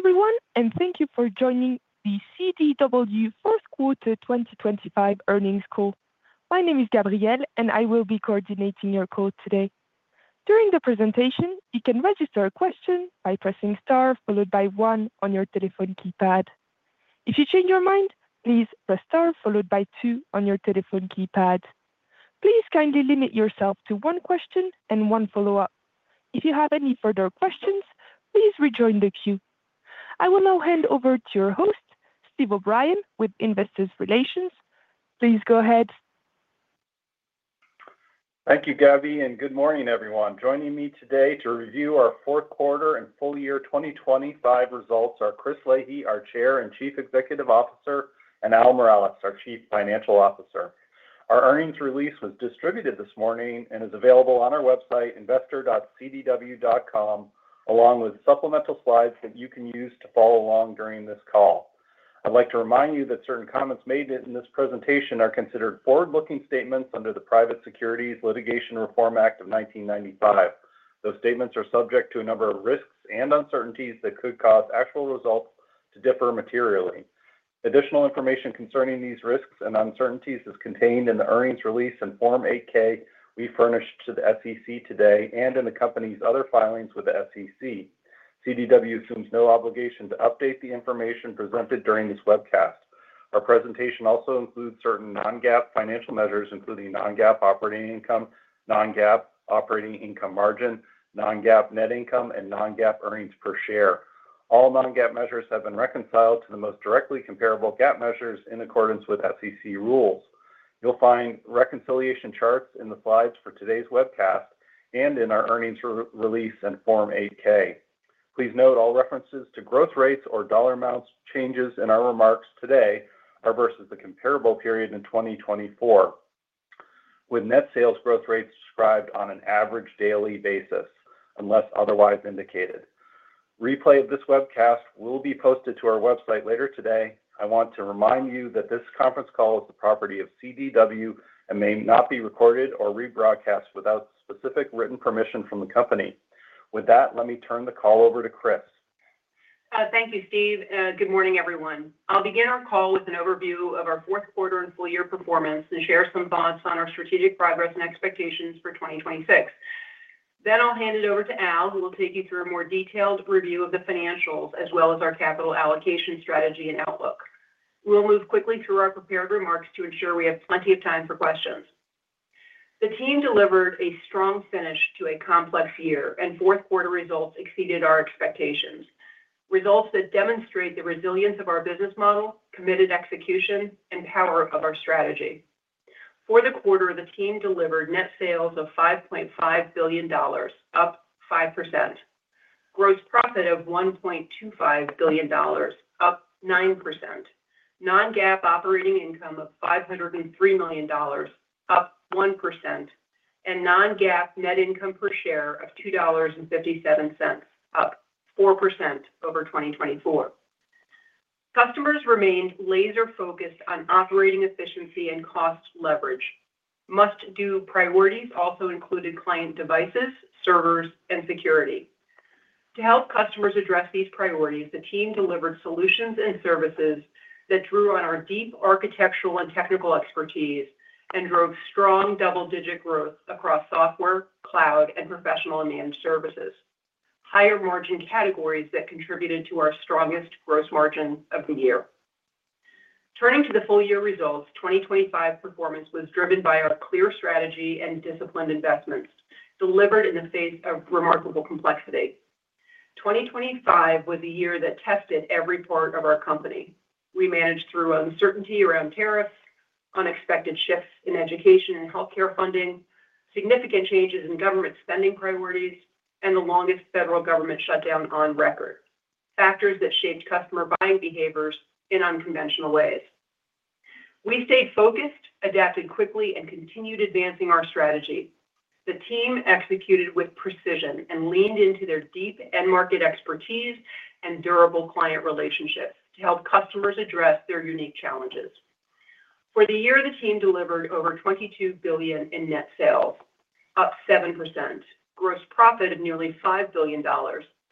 Hello, everyone, and thank you for joining the CDW fourth quarter 2025 earnings call. My name is Gabrielle, and I will be coordinating your call today. During the presentation, you can register a question by pressing star followed by one on your telephone keypad. If you change your mind, please press star followed by two on your telephone keypad. Please kindly limit yourself to one question and one follow-up. If you have any further questions, please rejoin the queue. I will now hand over to your host, Steve O'Brien, with Investor Relations. Please go ahead. Thank you, Gabby, and good morning, everyone. Joining me today to review our fourth quarter and full year 2025 results are Chris Leahy, our Chair and Chief Executive Officer, and Al Miralles, our Chief Financial Officer. Our earnings release was distributed this morning and is available on our website, investor.cdw.com, along with supplemental slides that you can use to follow along during this call. I'd like to remind you that certain comments made in this presentation are considered forward-looking statements under the Private Securities Litigation Reform Act of 1995. Those statements are subject to a number of risks and uncertainties that could cause actual results to differ materially. Additional information concerning these risks and uncertainties is contained in the earnings release and Form 8-K we furnished to the SEC today and in the company's other filings with the SEC. CDW assumes no obligation to update the information presented during this webcast. Our presentation also includes certain non-GAAP financial measures, including non-GAAP operating income, non-GAAP operating income margin, non-GAAP net income, and non-GAAP earnings per share. All non-GAAP measures have been reconciled to the most directly comparable GAAP measures in accordance with SEC rules. You'll find reconciliation charts in the slides for today's webcast and in our earnings release and Form 8-K. Please note, all references to growth rates or dollar amounts changes in our remarks today are versus the comparable period in 2024, with net sales growth rates described on an average daily basis, unless otherwise indicated. Replay of this webcast will be posted to our website later today. I want to remind you that this conference call is the property of CDW and may not be recorded or rebroadcast without specific written permission from the company. With that, let me turn the call over to Chris. Thank you, Steve. Good morning, everyone. I'll begin our call with an overview of our fourth quarter and full year performance and share some thoughts on our strategic progress and expectations for 2026. Then I'll hand it over to Al, who will take you through a more detailed review of the financials, as well as our capital allocation strategy and outlook. We'll move quickly through our prepared remarks to ensure we have plenty of time for questions. The team delivered a strong finish to a complex year, and fourth quarter results exceeded our expectations. Results that demonstrate the resilience of our business model, committed execution, and power of our strategy. For the quarter, the team delivered net sales of $5.5 billion, up 5%. Gross profit of $1.25 billion, up 9%. Non-GAAP operating income of $503 million, up 1%, and non-GAAP net income per share of $2.57, up 4% over 2024. Customers remained laser-focused on operating efficiency and cost leverage. Must-do priorities also included client devices, servers, and security. To help customers address these priorities, the team delivered solutions and services that drew on our deep architectural and technical expertise and drove strong double-digit growth across software, cloud, and professional managed services, higher-margin categories that contributed to our strongest gross margin of the year. Turning to the full-year results, 2025 performance was driven by our clear strategy and disciplined investments, delivered in the face of remarkable complexity. 2025 was a year that tested every part of our company. We managed through uncertainty around tariffs, unexpected shifts in education and healthcare funding, significant changes in government spending priorities, and the longest federal government shutdown on record, factors that shaped customer buying behaviors in unconventional ways. We stayed focused, adapted quickly, and continued advancing our strategy. The team executed with precision and leaned into their deep end-market expertise and durable client relationships to help customers address their unique challenges. For the year, the team delivered over $22 billion in net sales, up 7%. Gross profit of nearly $5 billion,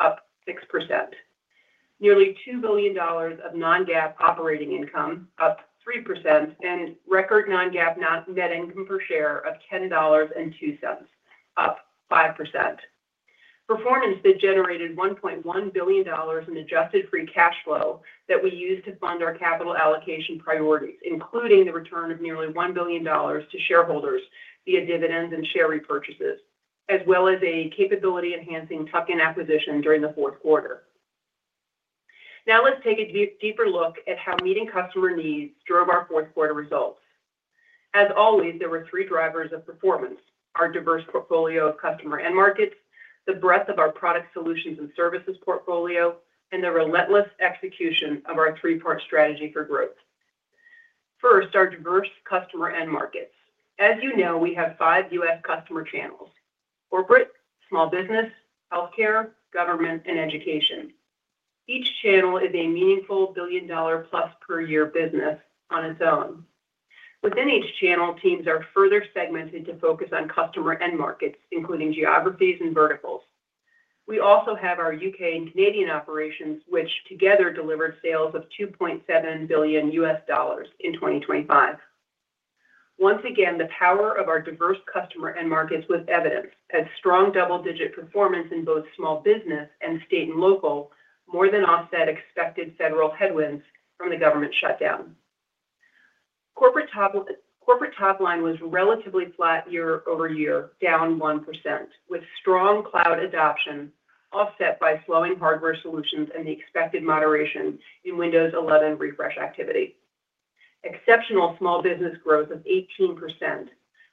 up 6%. Nearly $2 billion of non-GAAP operating income, up 3%, and record non-GAAP net income per share of $10.02, up 5%. Performance that generated $1.1 billion in adjusted free cash flow that we used to fund our capital allocation priorities, including the return of nearly $1 billion to shareholders via dividends and share repurchases, as well as a capability-enhancing tuck-in acquisition during the fourth quarter. Now, let's take a deeper look at how meeting customer needs drove our fourth quarter results. As always, there were three drivers of performance: our diverse portfolio of customer end markets, the breadth of our product solutions and services portfolio, and the relentless execution of our three-part strategy for growth. First, our diverse customer end markets. As you know, we have five U.S. customer channels: corporate, small business, healthcare, government, and education. Each channel is a meaningful billion-dollar-plus per year business on its own. Within each channel, teams are further segmented to focus on customer end markets, including geographies and verticals. We also have our U.K. and Canadian operations, which together delivered sales of $2.7 billion in 2025. Once again, the power of our diverse customer end markets was evidenced, as strong double-digit performance in both small business and state and local, more than offset expected federal headwinds from the government shutdown. Corporate top line was relatively flat year-over-year, down 1%, with strong cloud adoption offset by slowing hardware solutions and the expected moderation in Windows 11 refresh activity. Exceptional small business growth of 18%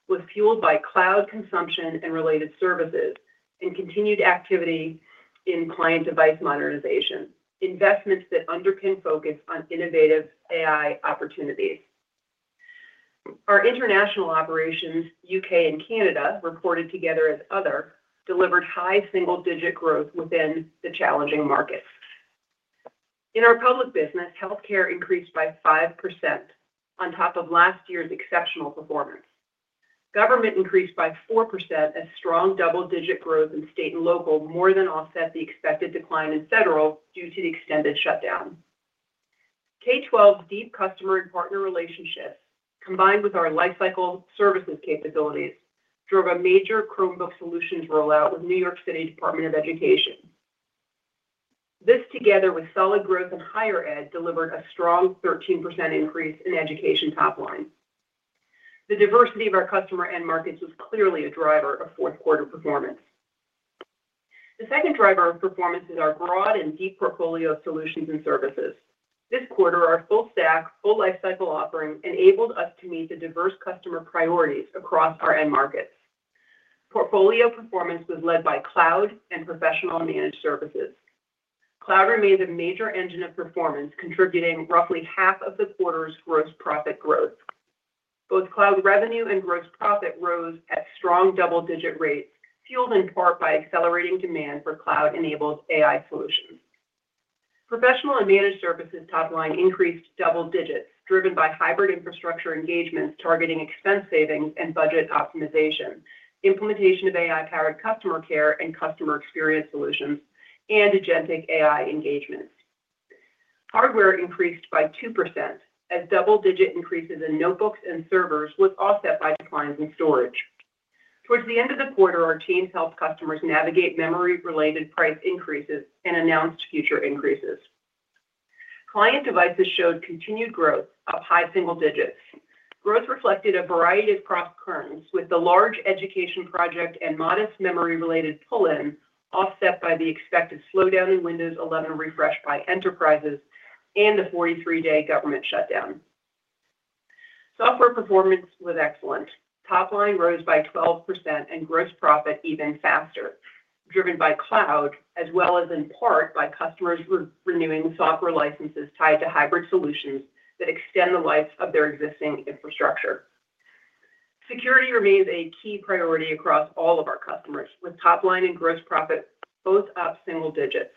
was fueled by cloud consumption and related services, and continued activity in client device modernization, investments that underpin focus on innovative AI opportunities. Our international operations, U.K. and Canada, reported together as other, delivered high single-digit growth within the challenging markets. In our public business, healthcare increased by 5% on top of last year's exceptional performance. Government increased by 4%, as strong double-digit growth in state and local more than offset the expected decline in federal due to the extended shutdown. K-12's deep customer and partner relationships, combined with our lifecycle services capabilities, drove a major Chromebook solutions rollout with New York City Department of Education. This, together with solid growth in higher ed, delivered a strong 13% increase in education top line. The diversity of our customer end markets was clearly a driver of fourth quarter performance. The second driver of performance is our broad and deep portfolio of solutions and services. This quarter, our full stack, full lifecycle offering enabled us to meet the diverse customer priorities across our end markets. Portfolio performance was led by cloud and professional managed services. Cloud remains a major engine of performance, contributing roughly half of the quarter's gross profit growth. Both cloud revenue and gross profit rose at strong double-digit rates, fueled in part by accelerating demand for cloud-enabled AI solutions. Professional and managed services top line increased double digits, driven by hybrid infrastructure engagements targeting expense savings and budget optimization, implementation of AI-powered customer care and customer experience solutions, and agentic AI engagements. Hardware increased by 2%, as double-digit increases in notebooks and servers was offset by declines in storage. Towards the end of the quarter, our teams helped customers navigate memory-related price increases and announced future increases. Client devices showed continued growth, up high single digits. Growth reflected a variety of cross currents, with the large education project and modest memory-related pull-in offset by the expected slowdown in Windows 11 refresh by enterprises and the 43-day government shutdown. Software performance was excellent. Top line rose by 12% and gross profit even faster, driven by cloud, as well as in part by customers re-renewing software licenses tied to hybrid solutions that extend the life of their existing infrastructure. Security remains a key priority across all of our customers, with top line and gross profit both up single digits.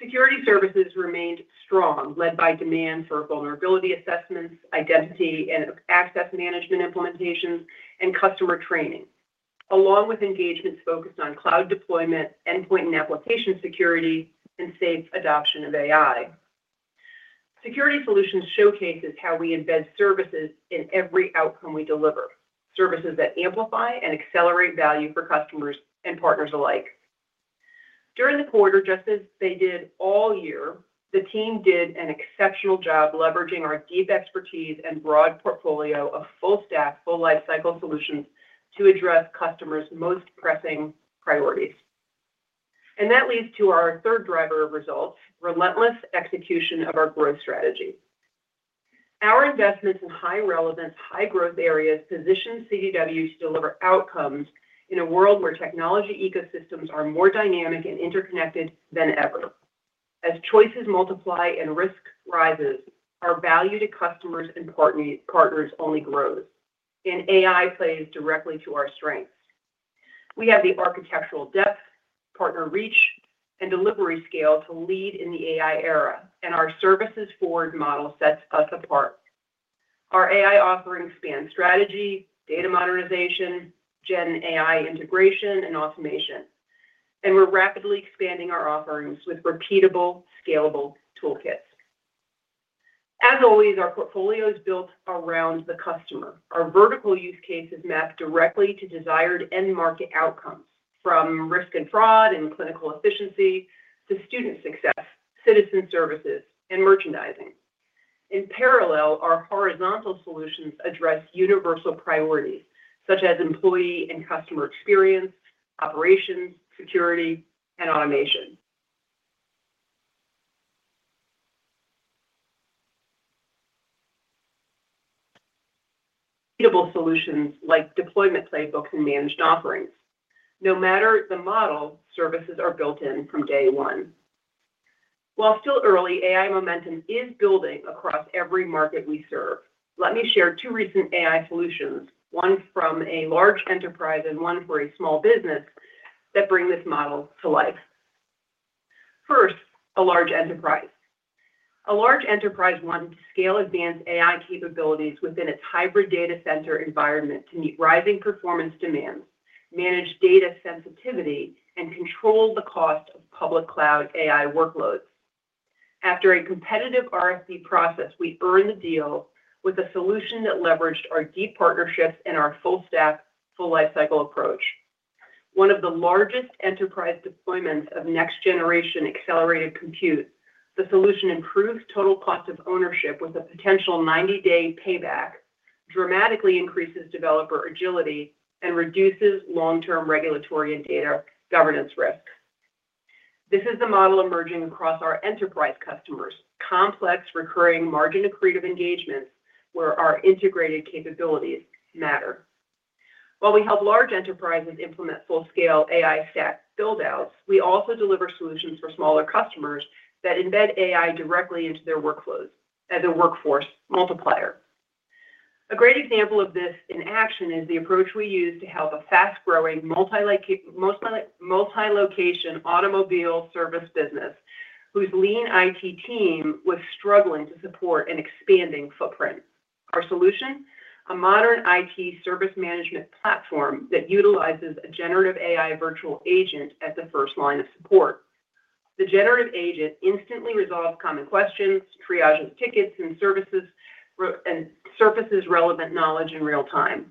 Security services remained strong, led by demand for vulnerability assessments, identity and access management implementations, and customer training, along with engagements focused on cloud deployment, endpoint and application security, and safe adoption of AI. Security Solutions showcases how we embed services in every outcome we deliver, services that amplify and accelerate value for customers and partners alike. During the quarter, just as they did all year, the team did an exceptional job leveraging our deep expertise and broad portfolio of full stack, full lifecycle solutions to address customers' most pressing priorities. That leads to our third driver of results, relentless execution of our growth strategy. Our investments in high relevance, high growth areas position CDW to deliver outcomes in a world where technology ecosystems are more dynamic and interconnected than ever. As choices multiply and risk rises, our value to customers and partners only grows, and AI plays directly to our strengths. We have the architectural depth, partner reach, and delivery scale to lead in the AI era, and our services forward model sets us apart. Our AI offerings span strategy, data modernization, gen AI integration, and automation, and we're rapidly expanding our offerings with repeatable, scalable toolkits. As always, our portfolio is built around the customer. Our vertical use cases map directly to desired end market outcomes, from risk and fraud and clinical efficiency to student success, citizen services, and merchandising. In parallel, our horizontal solutions address universal priorities, such as employee and customer experience, operations, security, and automation. Repeatable solutions like deployment playbooks and managed offerings. No matter the model, services are built in from day one. While still early, AI momentum is building across every market we serve. Let me share two recent AI solutions, one from a large enterprise and one for a small business, that bring this model to life. First, a large enterprise. A large enterprise wanted to scale advanced AI capabilities within its hybrid data center environment to meet rising performance demands, manage data sensitivity, and control the cost of public cloud AI workloads. After a competitive RFP process, we earned the deal with a solution that leveraged our deep partnerships and our full stack, full lifecycle approach. One of the largest enterprise deployments of next generation accelerated compute, the solution improves total cost of ownership with a potential 90-day payback, dramatically increases developer agility, and reduces long-term regulatory and data governance risk. This is the model emerging across our enterprise customers: complex, recurring, margin-accretive engagements where our integrated capabilities matter. While we help large enterprises implement full-scale AI stack build-outs, we also deliver solutions for smaller customers that embed AI directly into their workflows as a workforce multiplier. A great example of this in action is the approach we used to help a fast-growing multi-location automobile service business, whose lean IT team was struggling to support an expanding footprint. Our solution. A modern IT service management platform that utilizes a generative AI virtual agent as the first line of support. The generative agent instantly resolves common questions, triages tickets, and services requests and surfaces relevant knowledge in real time.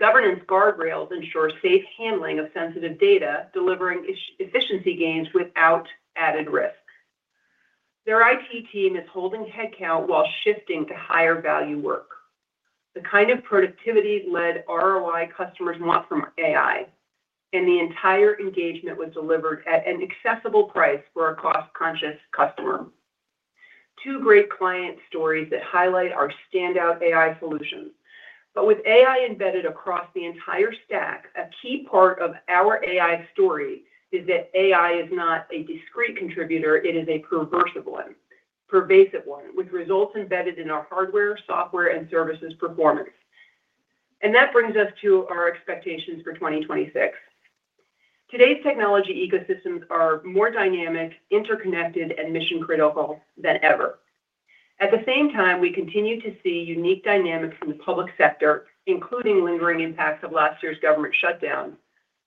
Governance guardrails ensure safe handling of sensitive data, delivering efficiency gains without added risk. Their IT team is holding headcount while shifting to higher value work. The kind of productivity-led ROI customers want from AI, and the entire engagement was delivered at an accessible price for a cost-conscious customer. Two great client stories that highlight our standout AI solutions. But with AI embedded across the entire stack, a key part of our AI story is that AI is not a discrete contributor, it is a pervasive one, pervasive one, with results embedded in our hardware, software, and services performance. And that brings us to our expectations for 2026. Today's technology ecosystems are more dynamic, interconnected, and mission-critical than ever. At the same time, we continue to see unique dynamics in the public sector, including lingering impacts of last year's government shutdown,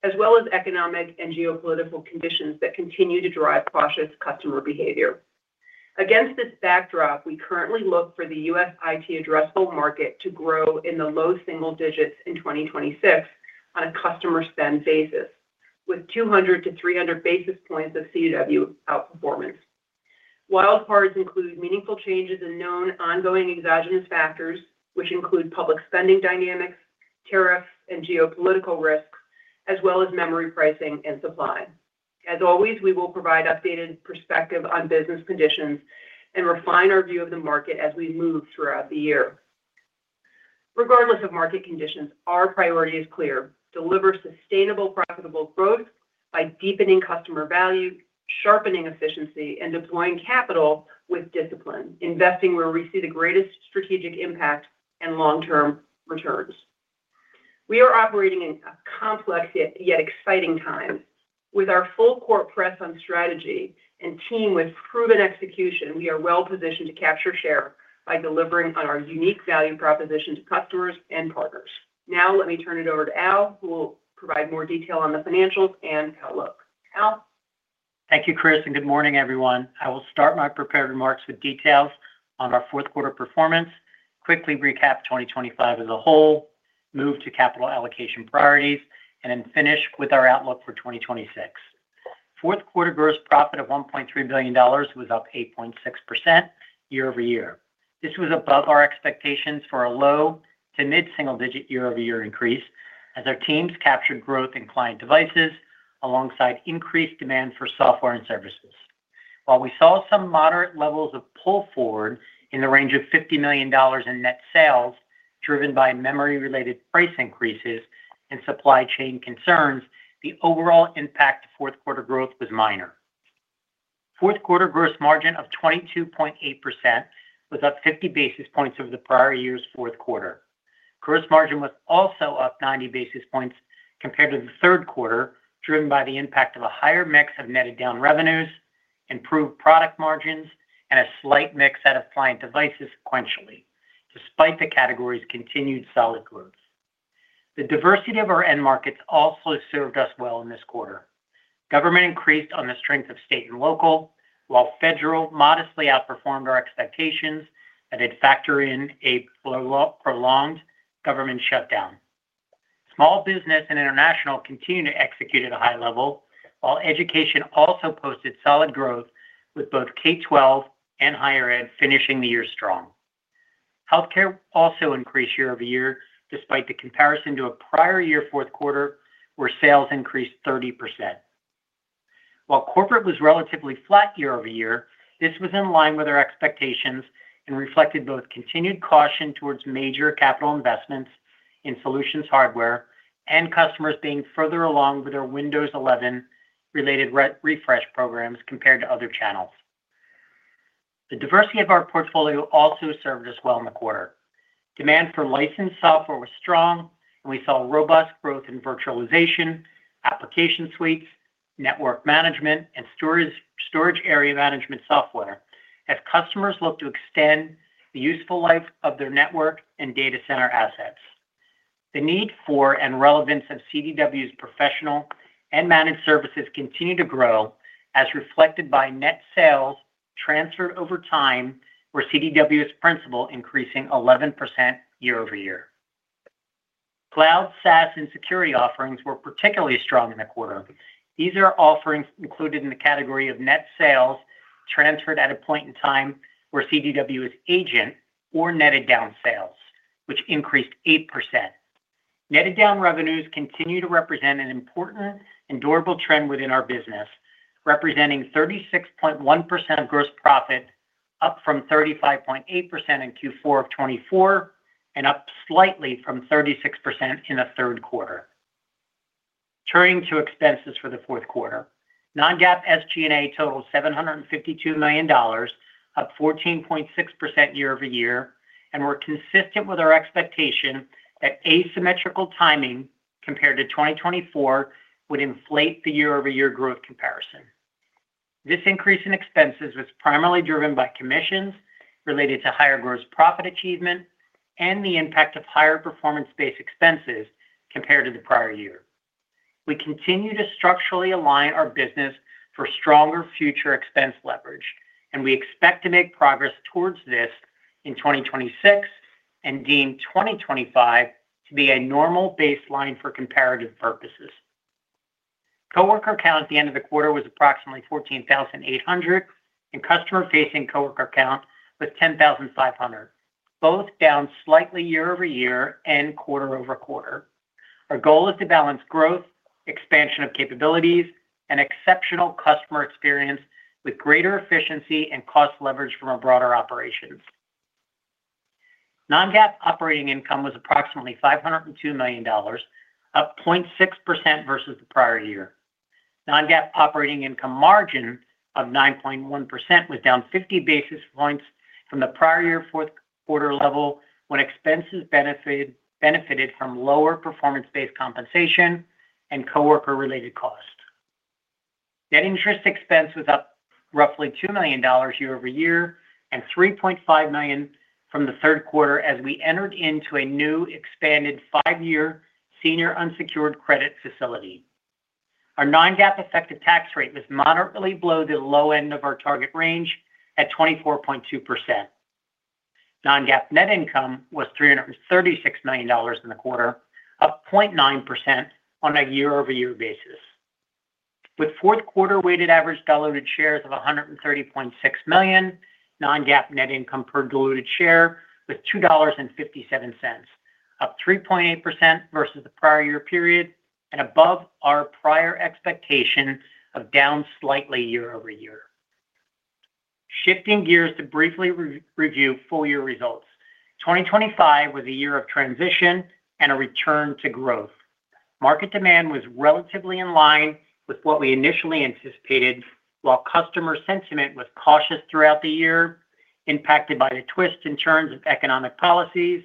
as well as economic and geopolitical conditions that continue to drive cautious customer behavior. Against this backdrop, we currently look for the U.S. IT addressable market to grow in the low single digits in 2026 on a customer spend basis, with 200 basis points-300 basis points of CDW outperformance. Wild cards include meaningful changes in known ongoing exogenous factors, which include public spending dynamics, tariffs, and geopolitical risks, as well as memory pricing and supply. As always, we will provide updated perspective on business conditions and refine our view of the market as we move throughout the year. Regardless of market conditions, our priority is clear: deliver sustainable, profitable growth by deepening customer value, sharpening efficiency, and deploying capital with discipline, investing where we see the greatest strategic impact and long-term returns. We are operating in a complex, yet exciting time. With our full court press on strategy and team with proven execution, we are well-positioned to capture share by delivering on our unique value proposition to customers and partners. Now, let me turn it over to Al, who will provide more detail on the financials and outlook. Al? Thank you, Chris, and good morning, everyone. I will start my prepared remarks with details on our fourth quarter performance, quickly recap 2025 as a whole, move to capital allocation priorities, and then finish with our outlook for 2026. Fourth quarter gross profit of $1.3 billion was up 8.6% year-over-year. This was above our expectations for a low to mid-single-digit year-over-year increase, as our teams captured growth in client devices alongside increased demand for software and services. While we saw some moderate levels of pull-forward in the range of $50 million in net sales, driven by memory-related price increases and supply chain concerns, the overall impact to fourth quarter growth was minor. Fourth quarter gross margin of 22.8% was up 50 basis points over the prior year's fourth quarter. Gross margin was also up 90 basis points compared to the third quarter, driven by the impact of a higher mix of netted-down revenues, improved product margins, and a slight mix out of client devices sequentially, despite the category's continued solid growth. The diversity of our end markets also served us well in this quarter. Government increased on the strength of state and local, while federal modestly outperformed our expectations that did factor in a prolonged government shutdown. Small business and international continued to execute at a high level, while education also posted solid growth with both K-12 and higher ed finishing the year strong. Healthcare also increased year-over-year, despite the comparison to a prior year fourth quarter, where sales increased 30%. While corporate was relatively flat year-over-year, this was in line with our expectations and reflected both continued caution towards major capital investments in solutions hardware and customers being further along with their Windows 11-related re-refresh programs compared to other channels. The diversity of our portfolio also served us well in the quarter. Demand for licensed software was strong, and we saw robust growth in virtualization, application suites, network management, and storage, storage area management software, as customers look to extend the useful life of their network and data center assets. The need for and relevance of CDW's professional and managed services continue to grow, as reflected by net sales transferred over time, where CDW is principal, increasing 11% year-over-year. Cloud, SaaS, and security offerings were particularly strong in the quarter. These are offerings included in the category of net sales transferred at a point in time where CDW is agent or netted down sales, which increased 8%. Netted down revenues continue to represent an important and durable trend within our business, representing 36.1% of gross profit, up from 35.8% in Q4 of 2024, and up slightly from 36% in the third quarter. Turning to expenses for the fourth quarter, non-GAAP SG&A totaled $752 million, up 14.6% year-over-year, and were consistent with our expectation that asymmetrical timing compared to 2024 would inflate the year-over-year growth comparison. This increase in expenses was primarily driven by commissions related to higher gross profit achievement and the impact of higher performance-based expenses compared to the prior year. We continue to structurally align our business for stronger future expense leverage, and we expect to make progress towards this in 2026 and deem 2025 to be a normal baseline for comparative purposes. Coworker count at the end of the quarter was approximately 14,800, and customer-facing coworker count was 10,500, both down slightly year-over-year and quarter-over-quarter. Our goal is to balance growth, expansion of capabilities, and exceptional customer experience with greater efficiency and cost leverage from our broader operations. Non-GAAP operating income was approximately $502 million, up 0.6% versus the prior year. Non-GAAP operating income margin of 9.1% was down 50 basis points from the prior year fourth quarter level, when expenses benefited from lower performance-based compensation and coworker-related costs. Net interest expense was up roughly $2 million year-over-year, and $3.5 million from the third quarter as we entered into a new, expanded five-year senior unsecured credit facility. Our non-GAAP effective tax rate was moderately below the low end of our target range at 24.2%. Non-GAAP net income was $336 million in the quarter, up 0.9% on a year-over-year basis. With fourth quarter weighted average diluted shares of 130.6 million, non-GAAP net income per diluted share was $2.57, up 3.8% versus the prior year period and above our prior expectation of down slightly year-over-year. Shifting gears to briefly re-review full year results. 2025 was a year of transition and a return to growth. Market demand was relatively in line with what we initially anticipated, while customer sentiment was cautious throughout the year, impacted by the twists and turns of economic policies,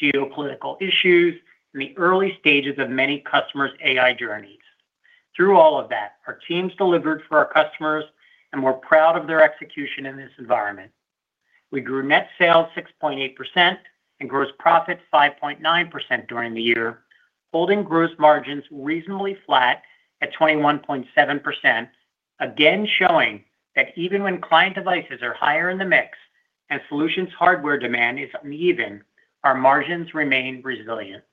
geopolitical issues, and the early stages of many customers' AI journeys. Through all of that, our teams delivered for our customers, and we're proud of their execution in this environment. We grew net sales 6.8% and gross profit 5.9% during the year, holding gross margins reasonably flat at 21.7%, again showing that even when client devices are higher in the mix and solutions hardware demand is uneven, our margins remain resilient.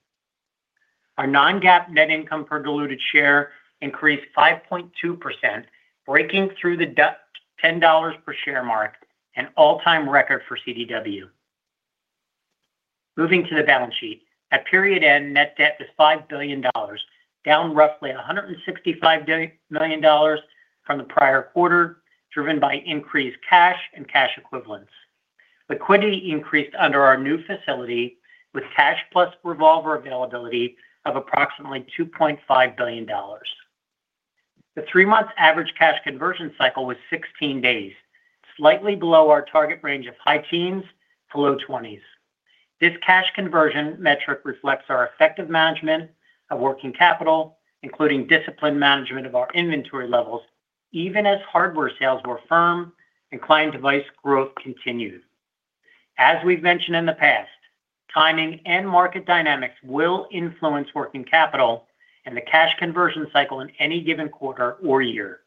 Our non-GAAP net income per diluted share increased 5.2%, breaking through the $10 per share mark, an all-time record for CDW. Moving to the balance sheet. At period end, net debt was $5 billion, down roughly $165 million from the prior quarter, driven by increased cash and cash equivalents. Liquidity increased under our new facility, with cash plus revolver availability of approximately $2.5 billion. The three-month average cash conversion cycle was 16 days, slightly below our target range of high teens to low twenties. This cash conversion metric reflects our effective management of working capital, including disciplined management of our inventory levels, even as hardware sales were firm and client device growth continued. As we've mentioned in the past, timing and market dynamics will influence working capital and the cash conversion cycle in any given quarter or year.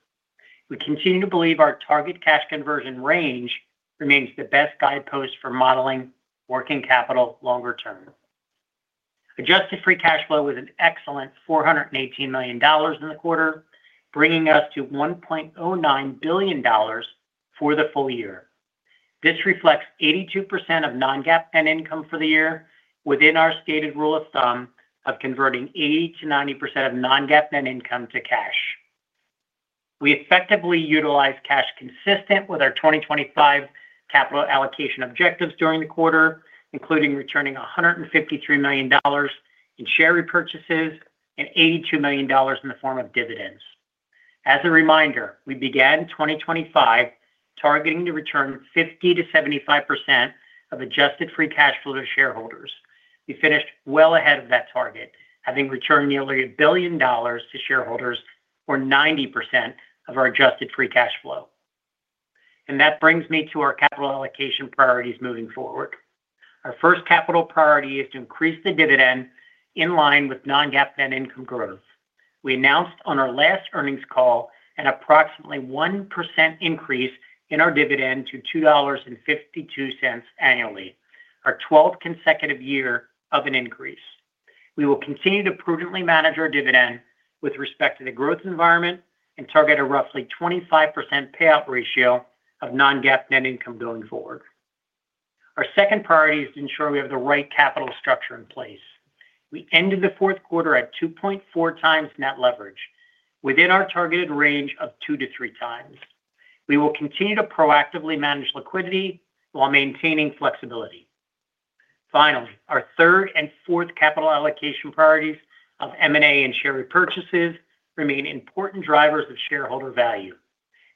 We continue to believe our target cash conversion range remains the best guidepost for modeling working capital longer term. Adjusted free cash flow was an excellent $418 million in the quarter, bringing us to $1.09 billion for the full year. This reflects 82% of non-GAAP net income for the year, within our stated rule of thumb of converting 80%-90% of non-GAAP net income to cash. We effectively utilized cash consistent with our 2025 capital allocation objectives during the quarter, including returning $153 million in share repurchases and $82 million in the form of dividends. As a reminder, we began 2025 targeting to return 50%-75% of adjusted free cash flow to shareholders. We finished well ahead of that target, having returned nearly $1 billion to shareholders, or 90% of our adjusted free cash flow. That brings me to our capital allocation priorities moving forward. Our first capital priority is to increase the dividend in line with non-GAAP net income growth. We announced on our last earnings call an approximately 1% increase in our dividend to $2.52 annually, our 12th consecutive year of an increase. We will continue to prudently manage our dividend with respect to the growth environment and target a roughly 25% payout ratio of non-GAAP net income going forward. Our second priority is to ensure we have the right capital structure in place. We ended the fourth quarter at 2.4x net leverage, within our targeted range of 2x-3x. We will continue to proactively manage liquidity while maintaining flexibility. Finally, our third and fourth capital allocation priorities of M&A and share repurchases remain important drivers of shareholder value.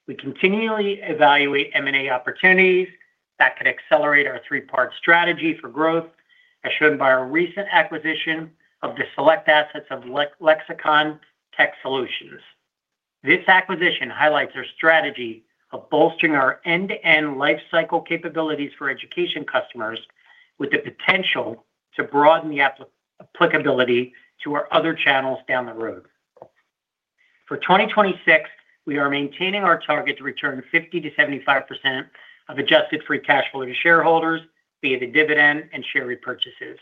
We continually evaluate M&A opportunities that could accelerate our three-part strategy for growth, as shown by our recent acquisition of the select assets of Lexicon Tech Solutions. This acquisition highlights our strategy of bolstering our end-to-end lifecycle capabilities for education customers, with the potential to broaden the applicability to our other channels down the road. For 2026, we are maintaining our target to return 50%-75% of adjusted free cash flow to shareholders via the dividend and share repurchases.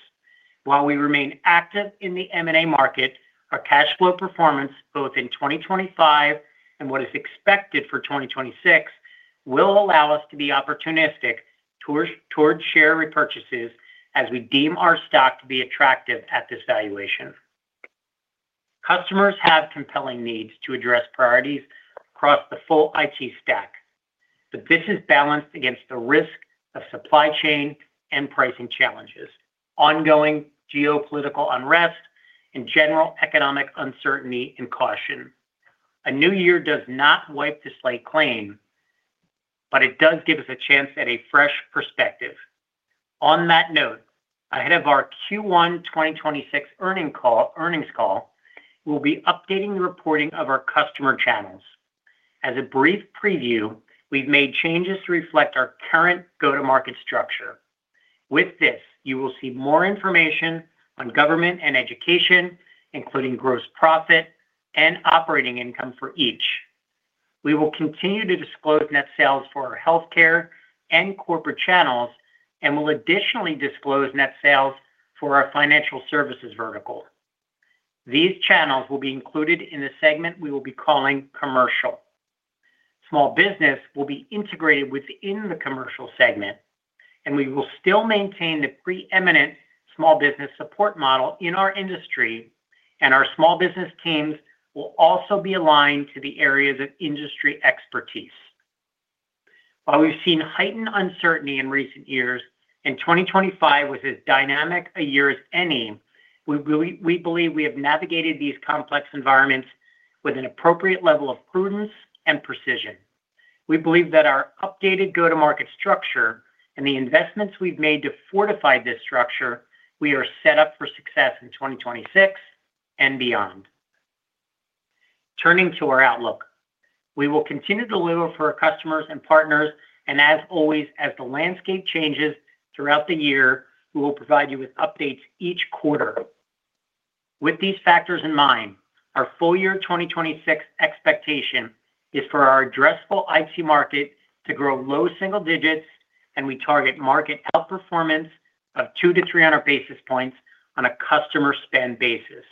While we remain active in the M&A market, our cash flow performance, both in 2025 and what is expected for 2026, will allow us to be opportunistic towards share repurchases as we deem our stock to be attractive at this valuation. Customers have compelling needs to address priorities across the full IT stack, but this is balanced against the risk of supply chain and pricing challenges, ongoing geopolitical unrest, and general economic uncertainty and caution. A new year does not wipe the slate clean, but it does give us a chance at a fresh perspective. On that note, ahead of our Q1 2026 earnings call, we'll be updating the reporting of our customer channels. As a brief preview, we've made changes to reflect our current go-to-market structure. With this, you will see more information on government and education, including gross profit and operating income for each. We will continue to disclose net sales for our healthcare and corporate channels, and we'll additionally disclose net sales for our financial services vertical. These channels will be included in the segment we will be calling commercial. Small business will be integrated within the commercial segment, and we will still maintain the preeminent small business support model in our industry, and our small business teams will also be aligned to the areas of industry expertise. While we've seen heightened uncertainty in recent years, and 2025 was as dynamic a year as any, we believe we have navigated these complex environments with an appropriate level of prudence and precision. We believe that our updated go-to-market structure and the investments we've made to fortify this structure, we are set up for success in 2026 and beyond. Turning to our outlook. We will continue to deliver for our customers and partners, and as always, as the landscape changes throughout the year, we will provide you with updates each quarter. With these factors in mind, our full year 2026 expectation is for our addressable IT market to grow low single digits, and we target market outperformance of 200 basis points-300 basis points on a customer spend basis.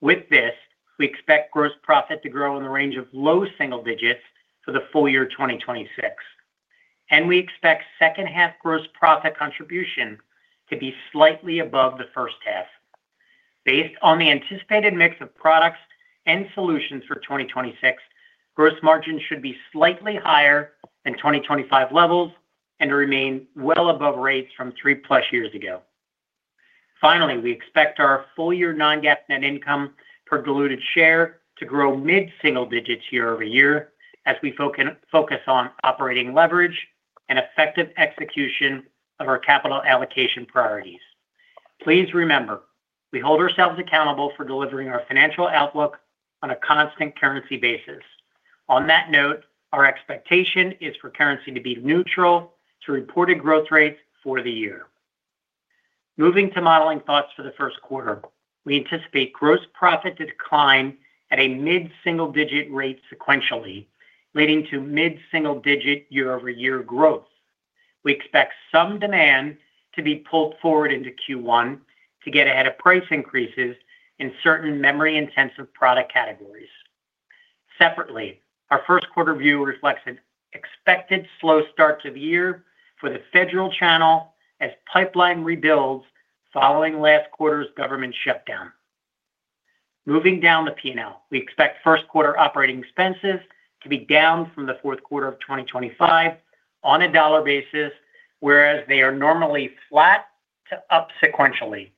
With this, we expect gross profit to grow in the range of low single digits for the full year 2026, and we expect second half gross profit contribution to be slightly above the first half. Based on the anticipated mix of products and solutions for 2026, gross margin should be slightly higher than 2025 levels and remain well above rates from three plus years ago. Finally, we expect our full-year non-GAAP net income per diluted share to grow mid-single digits year-over-year as we focus on operating leverage and effective execution of our capital allocation priorities. Please remember, we hold ourselves accountable for delivering our financial outlook on a constant currency basis. On that note, our expectation is for currency to be neutral to reported growth rates for the year. Moving to modeling thoughts for the first quarter. We anticipate gross profit to decline at a mid-single-digit rate sequentially, leading to mid-single-digit year-over-year growth. We expect some demand to be pulled forward into Q1 to get ahead of price increases in certain memory-intensive product categories. Separately, our first quarter view reflects an expected slow start to the year for the federal channel as pipeline rebuilds following last quarter's government shutdown. Moving down the P&L, we expect first quarter operating expenses to be down from the fourth quarter of 2025 on a dollar basis, whereas they are normally flat to up sequentially.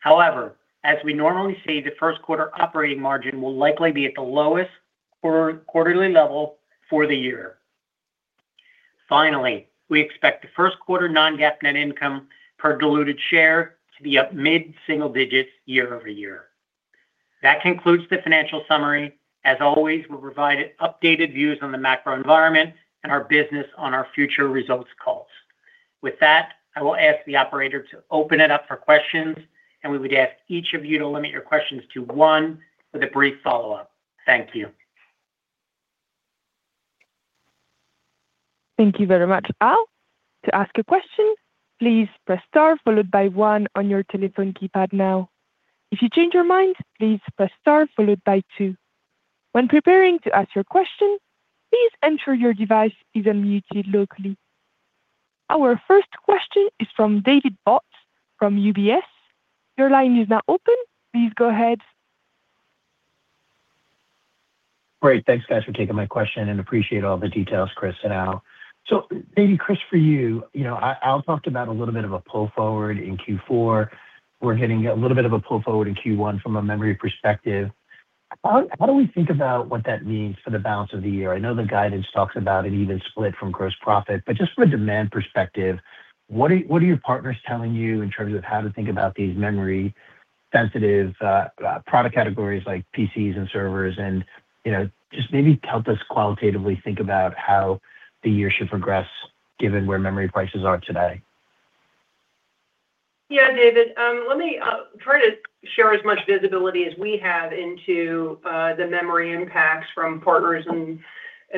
However, as we normally see, the first quarter operating margin will likely be at the lowest quarterly level for the year. Finally, we expect the first quarter Non-GAAP net income per diluted share to be up mid-single digits year-over-year. That concludes the financial summary. As always, we'll provide updated views on the macro environment and our business on our future results calls. With that, I will ask the operator to open it up for questions, and we would ask each of you to limit your questions to one with a brief follow-up. Thank you. Thank you very much, Al. To ask a question, please press star, followed by one on your telephone keypad now. If you change your mind, please press star followed by two. When preparing to ask your question, please ensure your device is unmuted locally. Our first question is from David Vogt from UBS. Your line is now open. Please go ahead. Great. Thanks, guys, for taking my question, and appreciate all the details, Chris and Al. So maybe Chris, for you, you know, Al talked about a little bit of a pull forward in Q4. We're hitting a little bit of a pull forward in Q1 from a memory perspective. How do we think about what that means for the balance of the year? I know the guidance talks about an even split from gross profit, but just from a demand perspective, what are your partners telling you in terms of how to think about these memory-sensitive product categories like PCs and servers? And, you know, just maybe help us qualitatively think about how the year should progress given where memory prices are today? Yeah, David, let me try to share as much visibility as we have into the memory impacts from partners and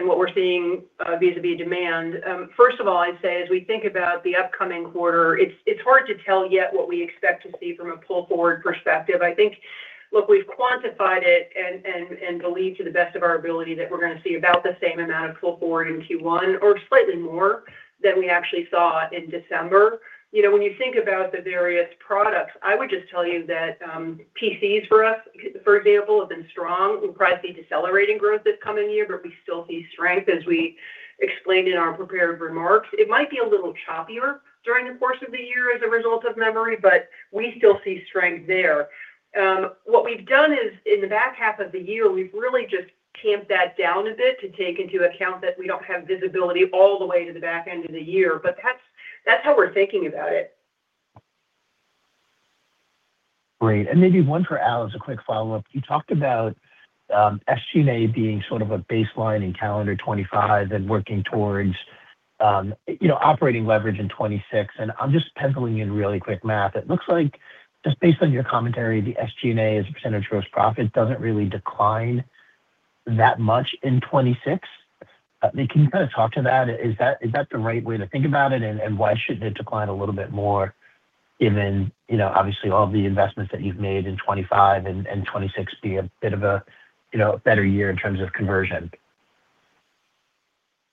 what we're seeing vis-a-vis demand. First of all, I'd say as we think about the upcoming quarter, it's hard to tell yet what we expect to see from a pull forward perspective. I think, look, we've quantified it and believe to the best of our ability that we're going to see about the same amount of pull forward in Q1 or slightly more than we actually saw in December. You know, when you think about the various products, I would just tell you that PCs for us, for example, have been strong. We probably see decelerating growth this coming year, but we still see strength, as we explained in our prepared remarks. It might be a little choppier during the course of the year as a result of memory, but we still see strength there. What we've done is, in the back half of the year, we've really just tamped that down a bit to take into account that we don't have visibility all the way to the back end of the year, but that's, that's how we're thinking about it. Great. And maybe one for Al as a quick follow-up. You talked about SG&A being sort of a baseline in calendar 2025 and working towards, you know, operating leverage in 2026, and I'm just penciling in really quick math. It looks like, just based on your commentary, the SG&A as a percentage of gross profit doesn't really decline that much in 2026. Can you kind of talk to that? Is that the right way to think about it, and why shouldn't it decline a little bit more given, you know, obviously, all the investments that you've made in 2025 and 2026 be a bit of a, you know, a better year in terms of conversion?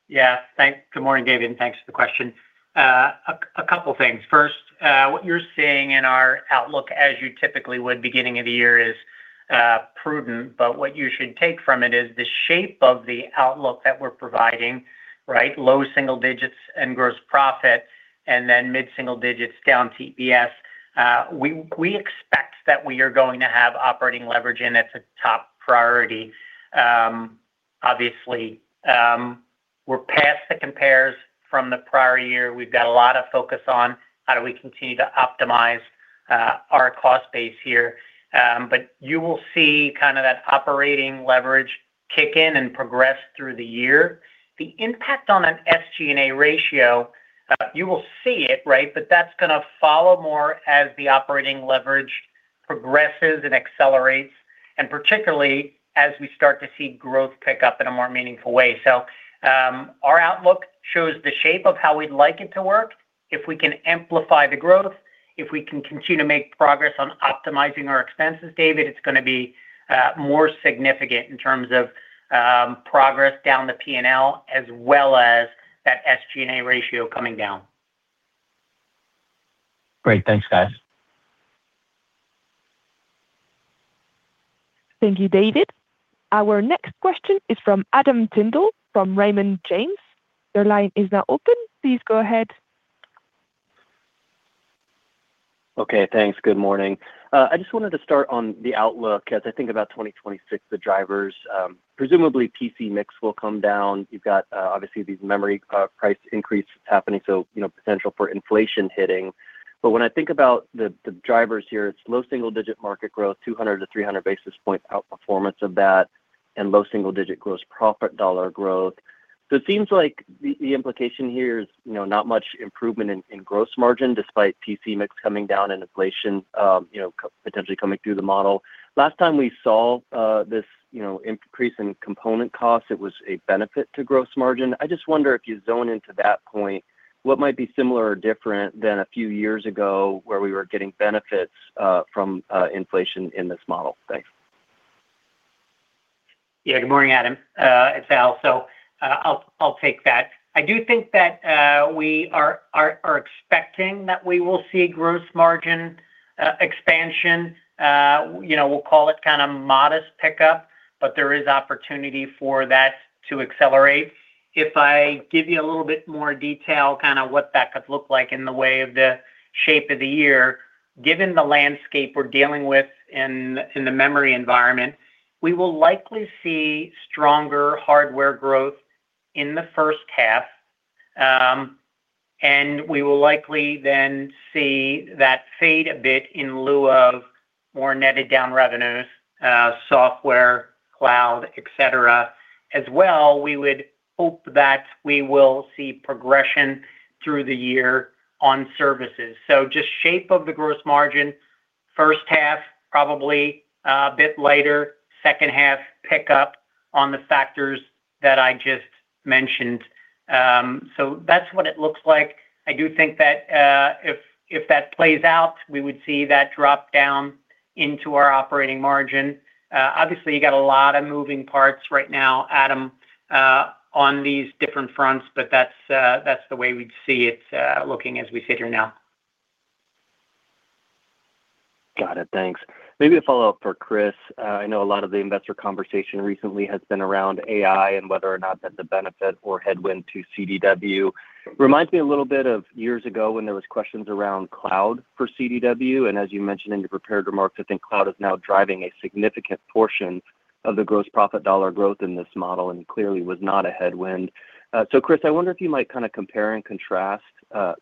Yeah. Good morning, David, and thanks for the question. A couple things. First, what you're seeing in our outlook, as you typically would beginning of the year, is prudent, but what you should take from it is the shape of the outlook that we're providing, right? Low single digits in gross profit, and then mid-single digits down EPS. We expect that we are going to have operating leverage, and that's a top priority. Obviously, we're past the compares from the prior year. We've got a lot of focus on how do we continue to optimize our cost base here. But you will see kind of that operating leverage kick in and progress through the year. The impact on an SG&A ratio, you will see it, right? But that's going to follow more as the operating leverage progresses and accelerates, and particularly as we start to see growth pick up in a more meaningful way. So, our outlook shows the shape of how we'd like it to work. If we can amplify the growth, if we can continue to make progress on optimizing our expenses, David, it's going to be more significant in terms of progress down the P&L as well as that SG&A ratio coming down. Great. Thanks, guys. Thank you, David. Our next question is from Adam Tindle, from Raymond James. Your line is now open. Please go ahead. Okay, thanks. Good morning. I just wanted to start on the outlook. As I think about 2026, the drivers, presumably PC mix will come down. You've got, obviously, these memory price increase happening, so you know, potential for inflation hitting. But when I think about the, the drivers here, it's low single digit market growth, 200 basis points-300 basis point outperformance of that and low single digit gross profit dollar growth. So it seems like the, the implication here is, you know, not much improvement in, in gross margin, despite PC mix coming down and inflation, you know, potentially coming through the model. Last time we saw, this, you know, increase in component costs, it was a benefit to gross margin. I just wonder if you zone into that point, what might be similar or different than a few years ago, where we were getting benefits, from, inflation in this model? Thanks. Yeah. Good morning, Adam. It's Al, so I'll take that. I do think that we are expecting that we will see gross margin expansion. You know, we'll call it kinda modest pickup, but there is opportunity for that to accelerate. If I give you a little bit more detail, kind of what that could look like in the way of the shape of the year, given the landscape we're dealing with in the memory environment, we will likely see stronger hardware growth in the first half, and we will likely then see that fade a bit in lieu of more netted down revenues, software, cloud, et cetera. As well, we would hope that we will see progression through the year on services. So just shape of the gross margin, first half, probably, a bit later, second half, pick up on the factors that I just mentioned. So that's what it looks like. I do think that, if, if that plays out, we would see that drop down into our operating margin. Obviously, you got a lot of moving parts right now, Adam, on these different fronts, but that's, that's the way we'd see it, looking as we sit here now. Got it. Thanks. Maybe a follow-up for Chris. I know a lot of the investor conversation recently has been around AI and whether or not that's a benefit or headwind to CDW. Reminds me a little bit of years ago when there was questions around cloud for CDW, and as you mentioned in your prepared remarks, I think cloud is now driving a significant portion of the gross profit dollar growth in this model and clearly was not a headwind. So Chris, I wonder if you might kinda compare and contrast,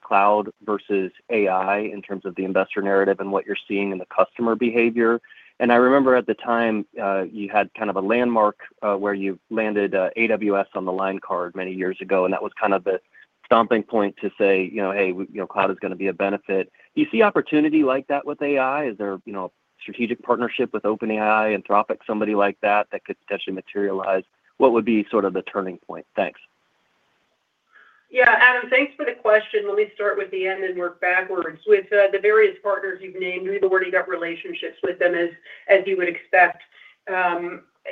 cloud versus AI in terms of the investor narrative and what you're seeing in the customer behavior. I remember at the time, you had kind of a landmark, where you landed AWS on the line card many years ago, and that was kind of the stomping point to say, you know, "Hey, we, you know, cloud is gonna be a benefit." Do you see opportunity like that with AI? Is there, you know, strategic partnership with OpenAI, Anthropic, somebody like that, that could potentially materialize? What would be sort of the turning point? Thanks. Yeah, Adam, thanks for the question. Let me start with the end and work backwards. With the various partners you've named, we've already got relationships with them, as you would expect,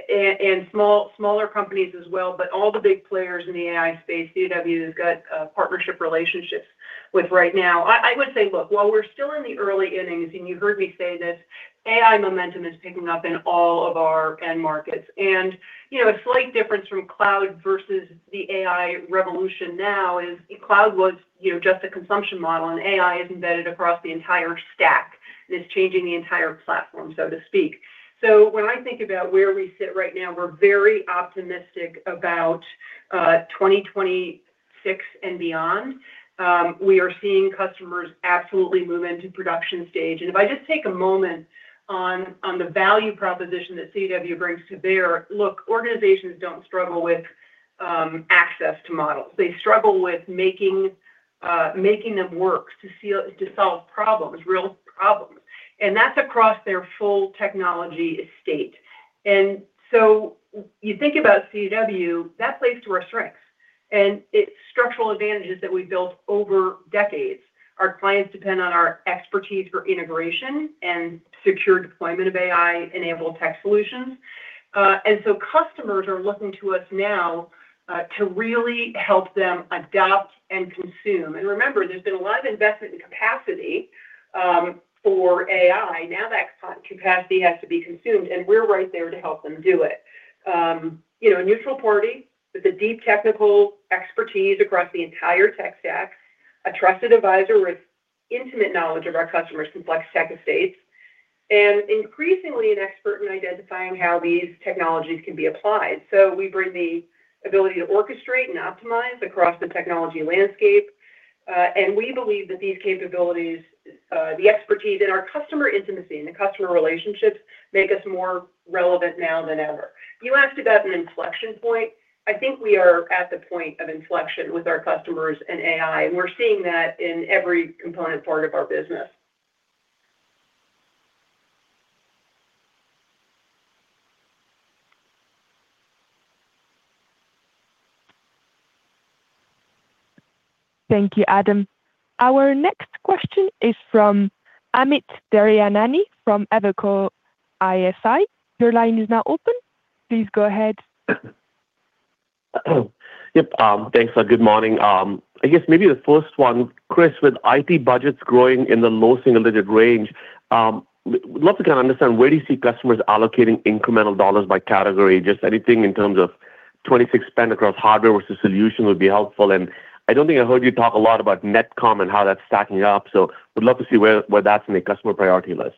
and smaller companies as well, but all the big players in the AI space, CDW has got partnership relationships with right now. I would say, look, while we're still in the early innings, and you heard me say this, AI momentum is picking up in all of our end markets. And, you know, a slight difference from cloud versus the AI revolution now is cloud was, you know, just a consumption model, and AI is embedded across the entire stack and is changing the entire platform, so to speak. So when I think about where we sit right now, we're very optimistic about 2026 and beyond. We are seeing customers absolutely move into production stage. And if I just take a moment on the value proposition that CDW brings to bear, look, organizations don't struggle with access to models. They struggle with making them work to solve problems, real problems. And that's across their full technology estate. And so you think about CDW, that plays to our strengths and its structural advantages that we've built over decades. Our clients depend on our expertise for integration and secure deployment of AI-enabled tech solutions. And so customers are looking to us now to really help them adopt and consume. And remember, there's been a lot of investment in capacity for AI. Now, that capacity has to be consumed, and we're right there to help them do it. You know, a neutral party with a deep technical expertise across the entire tech stack, a trusted advisor with intimate knowledge of our customers' complex tech estates, and increasingly an expert in identifying how these technologies can be applied. So we bring the ability to orchestrate and optimize across the technology landscape, and we believe that these capabilities, the expertise and our customer intimacy and the customer relationships make us more relevant now than ever. You asked about an inflection point. I think we are at the point of inflection with our customers and AI, and we're seeing that in every component part of our business. Thank you, Adam. Our next question is from Amit Daryanani from Evercore ISI. Your line is now open. Please go ahead. Yep, thanks, good morning. I guess maybe the first one, Chris, with IT budgets growing in the low single-digit range, love to kind of understand where do you see customers allocating incremental dollars by category? Just anything in terms of 2026 spend across hardware versus solution would be helpful. And I don't think I heard you talk a lot about NetComm and how that's stacking up, so would love to see where that's in the customer priority list.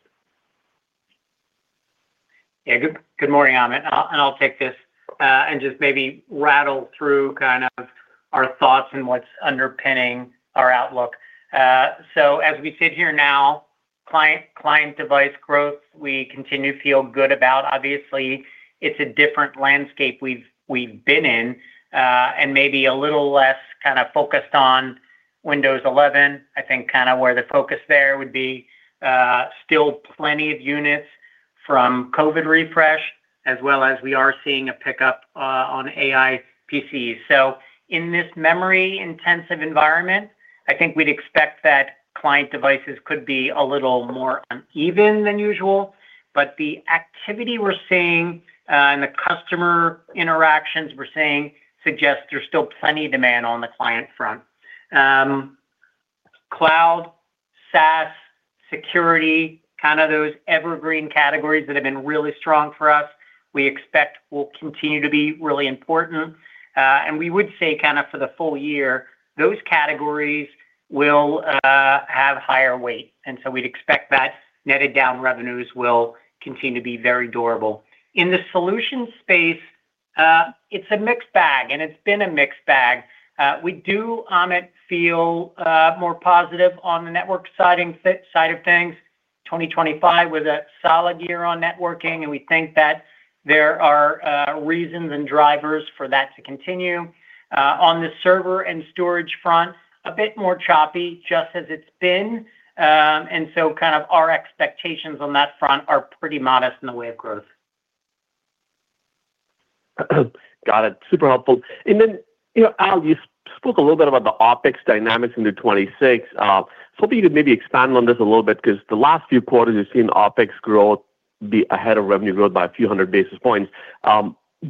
Yeah, good morning, Amit, and I'll take this and just maybe rattle through kind of our thoughts on what's underpinning our outlook. So as we sit here now, client device growth, we continue to feel good about. Obviously, it's a different landscape we've been in, and maybe a little less kinda focused on Windows 11. I think kinda where the focus there would be still plenty of units from COVID refresh, as well as we are seeing a pickup on AI PCs. So in this memory-intensive environment, I think we'd expect that client devices could be a little more uneven than usual. But the activity we're seeing and the customer interactions we're seeing suggest there's still plenty of demand on the client front. Cloud, SaaS, security, kind of those evergreen categories that have been really strong for us, we expect will continue to be really important. And we would say kind of for the full year, those categories will have higher weight, and so we'd expect that netted down revenues will continue to be very durable. In the solution space, it's a mixed bag, and it's been a mixed bag. We do, Amit, feel more positive on the networking side of things. 2025 was a solid year on networking, and we think that there are reasons and drivers for that to continue. On the server and storage front, a bit more choppy, just as it's been. And so kind of our expectations on that front are pretty modest in the way of growth. Got it. Super helpful. And then, you know, Al, you spoke a little bit about the OpEx dynamics into 2026. So hoping you could maybe expand on this a little bit, 'cause the last few quarters, we've seen OpEx growth be ahead of revenue growth by a few hundred basis points. Do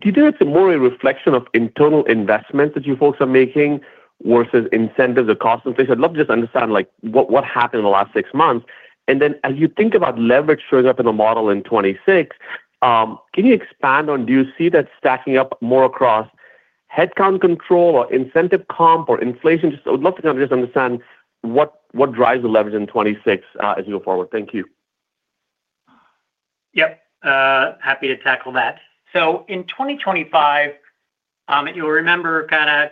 you think it's more a reflection of internal investments that you folks are making versus incentives or cost inflation? I'd love to just understand, like, what, what happened in the last six months. And then as you think about leverage showing up in the model in 2026, can you expand on... Do you see that stacking up more across headcount control or incentive comp or inflation? Just I would love to kind of just understand what, what drives the leverage in 2026, as we go forward. Thank you. Yep, happy to tackle that. So in 2025, you'll remember kind of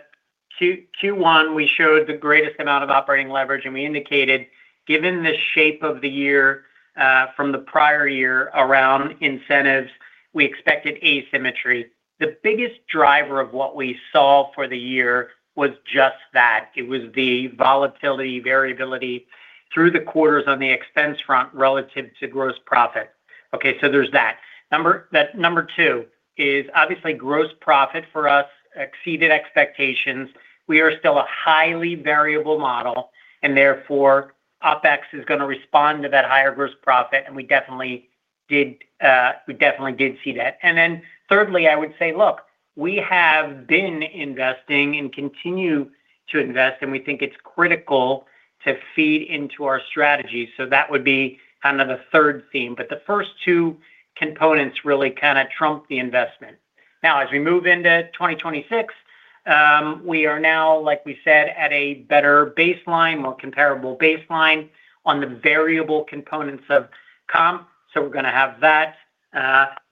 Q1, we showed the greatest amount of operating leverage, and we indicated, given the shape of the year, from the prior year around incentives, we expected asymmetry. The biggest driver of what we saw for the year was just that. It was the volatility, variability through the quarters on the expense front relative to gross profit. Okay, so there's that. Number 2 is obviously gross profit for us exceeded expectations. We are still a highly variable model, and therefore, OpEx is gonna respond to that higher gross profit, and we definitely did, we definitely did see that. And then thirdly, I would say, look, we have been investing and continue to invest, and we think it's critical to feed into our strategy. So that would be kind of the third theme. But the first two components really kinda trump the investment. Now, as we move into 2026, we are now, like we said, at a better baseline, more comparable baseline on the variable components of comp, so we're gonna have that.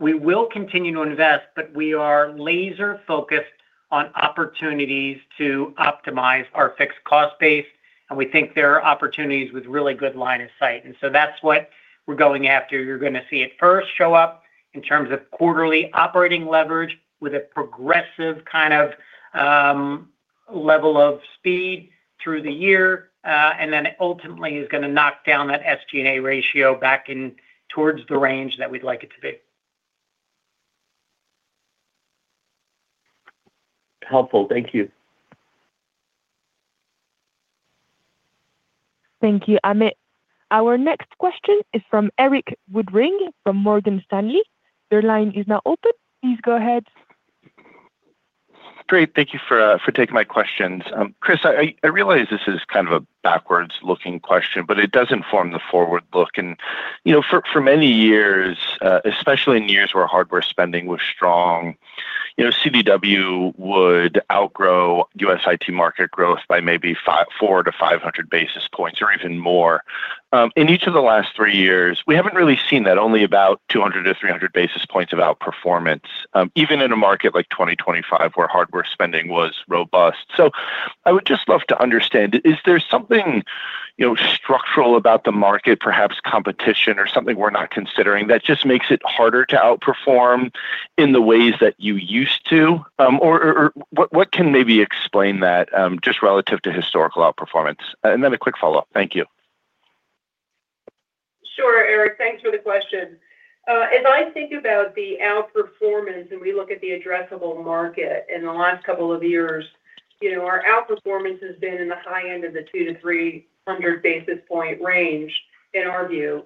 We will continue to invest, but we are laser focused on opportunities to optimize our fixed cost base, and we think there are opportunities with really good line of sight, and so that's what we're going after. You're gonna see it first show up in terms of quarterly operating leverage with a progressive kind of level of speed through the year, and then it ultimately is gonna knock down that SG&A ratio back in towards the range that we'd like it to be. Helpful. Thank you. Thank you, Amit. Our next question is from Erik Woodring, from Morgan Stanley. Your line is now open. Please go ahead. Great. Thank you for taking my questions. Chris, I realize this is kind of a backwards-looking question, but it does inform the forward look. And, you know, for many years, especially in years where hardware spending was strong, you know, CDW would outgrow U.S. IT market growth by maybe 400 basis points-500 basis points or even more. In each of the last three years, we haven't really seen that, only about 200 basis points-300 basis points of outperformance, even in a market like 2025, where hardware spending was robust. So I would just love to understand, is there something, you know, structural about the market, perhaps competition or something we're not considering, that just makes it harder to outperform in the ways that you used to? What can maybe explain that, just relative to historical outperformance? And then a quick follow-up. Thank you. Sure, Erik. Thanks for the question. As I think about the outperformance, and we look at the addressable market in the last couple of years, you know, our outperformance has been in the high end of the 200 basis points-300 basis point range, in our view.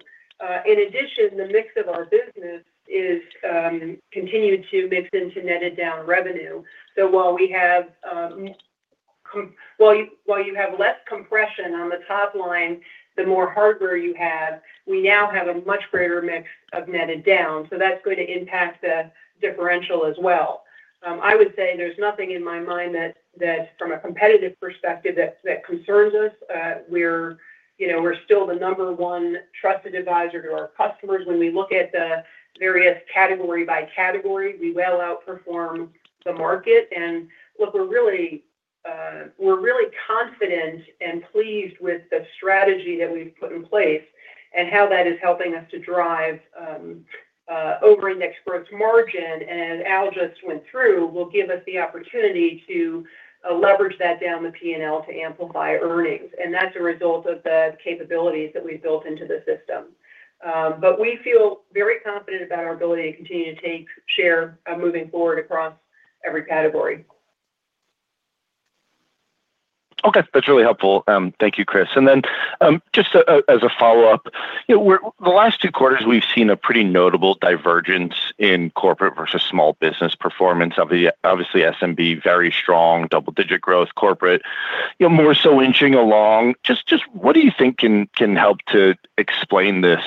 In addition, the mix of our business is continued to mix into netted down revenue. So while you have less compression on the top line, the more hardware you have, we now have a much greater mix of netted down, so that's going to impact the differential as well. I would say there's nothing in my mind that, that from a competitive perspective, that, that concerns us. We're, you know, we're still the number one trusted advisor to our customers. When we look at the various category by category, we'll outperform the market. And look, we're really, we're really confident and pleased with the strategy that we've put in place and how that is helping us to drive, over-index gross margin, and Al just went through, will give us the opportunity to, leverage that down the P&L to amplify earnings, and that's a result of the capabilities that we've built into the system. But we feel very confident about our ability to continue to take share, moving forward across every category. Okay, that's really helpful. Thank you, Chris. And then, just as a follow-up, you know, we're the last two quarters, we've seen a pretty notable divergence in corporate versus small business performance. Obviously, SMB, very strong, double-digit growth, corporate. You're more so inching along. Just what do you think can help to explain this?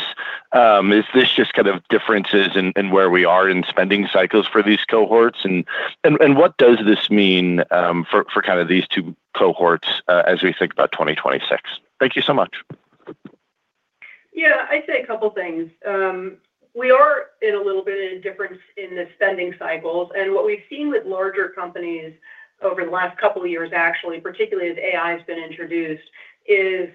Is this just kind of differences in where we are in spending cycles for these cohorts? And what does this mean for kind of these two cohorts as we think about 2026? Thank you so much. Yeah, I'd say a couple of things. We are in a little bit of a difference in the spending cycles, and what we've seen with larger companies over the last couple of years, actually, particularly as AI has been introduced, is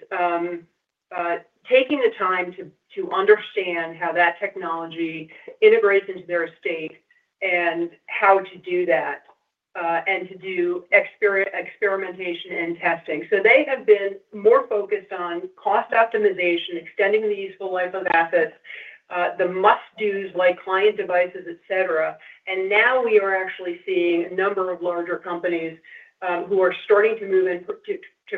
taking the time to understand how that technology integrates into their estate and how to do that, and to do experimentation and testing. So they have been more focused on cost optimization, extending the useful life of assets, the must-dos, like client devices, et cetera. And now we are actually seeing a number of larger companies, who are starting to move into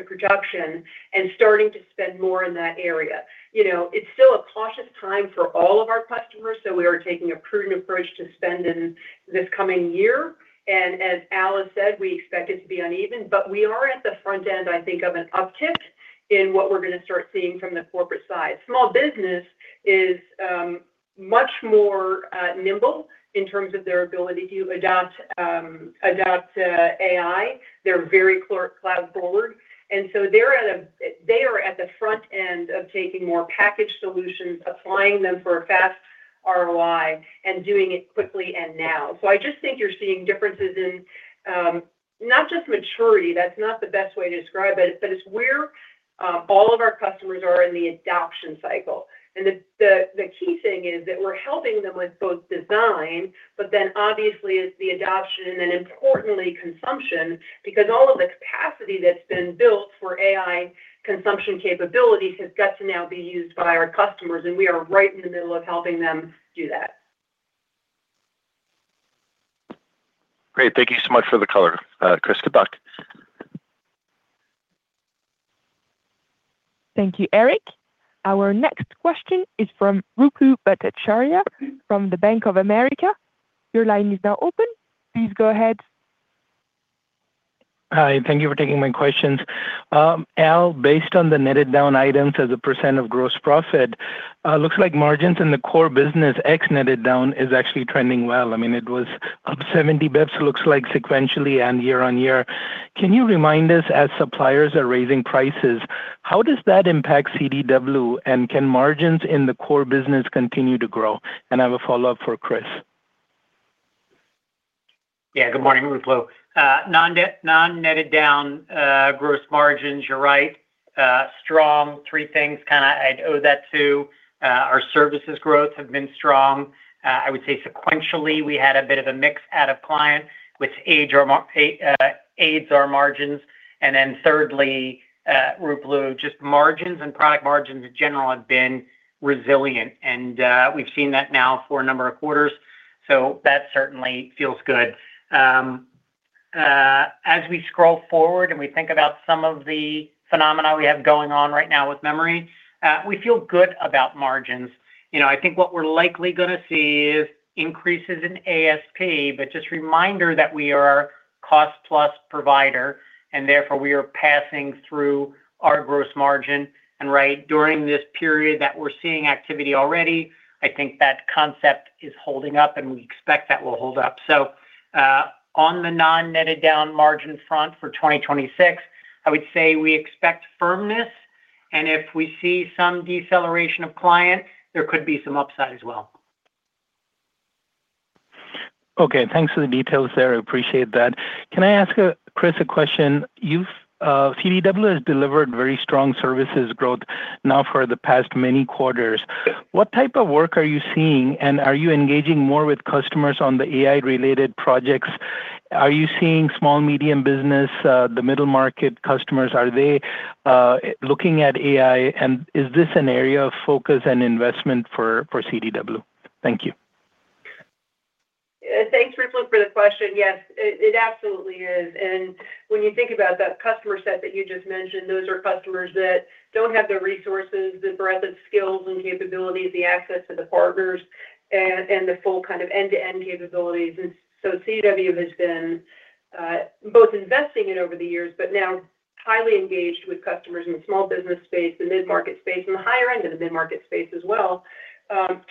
production and starting to spend more in that area. You know, it's still a cautious time for all of our customers, so we are taking a prudent approach to spend in this coming year. And as Al said, we expect it to be uneven, but we are at the front end, I think of an uptick in what we're gonna start seeing from the corporate side. Small business is much more nimble in terms of their ability to adopt AI. They're very cloud forward, and so they are at the front end of taking more packaged solutions, applying them for a fast ROI, and doing it quickly and now. So I just think you're seeing differences in not just maturity, that's not the best way to describe it, but it's where all of our customers are in the adoption cycle. The key thing is that we're helping them with both design, but then obviously, it's the adoption and then importantly, consumption, because all of the capacity that's been built for AI consumption capabilities has got to now be used by our customers, and we are right in the middle of helping them do that. Great. Thank you so much for the color, Chris. Good luck. Thank you, Erik. Our next question is from Ruplu Bhattacharya from the Bank of America. Your line is now open. Please go ahead. Hi, thank you for taking my questions. Al, based on the netted down items as a percentage of gross profit, looks like margins in the core business, ex-netted down, is actually trending well. I mean, it was up 70 basis points, looks like sequentially and year-over-year. Can you remind us, as suppliers are raising prices, how does that impact CDW, and can margins in the core business continue to grow? I have a follow-up for Chris. Yeah, good morning, Ruplu. Non-netted down gross margins, you're right, strong. Three things kind of I'd owe that to. Our services growth have been strong. I would say sequentially, we had a bit of a mix out of client, which aids our margins. And then thirdly, Ruplu, just margins and product margins in general have been resilient, and we've seen that now for a number of quarters, so that certainly feels good. As we scroll forward and we think about some of the phenomena we have going on right now with memory, we feel good about margins. You know, I think what we're likely gonna see is increases in ASP, but just a reminder that we are a cost-plus provider, and therefore, we are passing through our gross margin. Right, during this period that we're seeing activity already, I think that concept is holding up, and we expect that will hold up. So, on the non-netted down margin front for 2026, I would say we expect firmness, and if we see some deceleration of client, there could be some upside as well. Okay, thanks for the details there. I appreciate that. Can I ask, Chris, a question? CDW has delivered very strong services growth now for the past many quarters. Yeah. What type of work are you seeing, and are you engaging more with customers on the AI-related projects? Are you seeing small, medium business, the middle-market customers, are they looking at AI, and is this an area of focus and investment for CDW? Thank you. Thanks, Ruplu, for the question. Yes, it absolutely is. And when you think about that customer set that you just mentioned, those are customers that don't have the resources, the breadth of skills and capabilities, the access to the partners, and the full kind of end-to-end capabilities. And so CDW has been both investing in over the years, but now highly engaged with customers in the small business space, the mid-market space, and the higher end of the mid-market space as well,